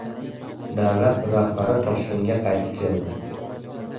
Davlat rahbari Toshkentga qaytib keldi